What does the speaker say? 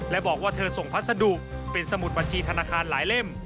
และบอกว่าเธอส่งพัสดุเป็นสมุดบัญชีธนาคารหลายเล่ม